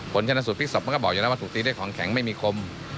ชนะสูตพลิกศพมันก็บอกอยู่แล้วว่าถูกตีด้วยของแข็งไม่มีคม